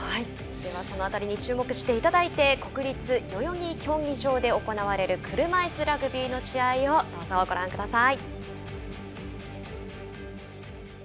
その辺りに注目していただいて国立代々木競技場で行われる車いすラグビーの試合をどうぞご覧ください。